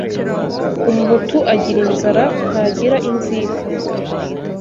Umuhutu agira inzara ntagira inzika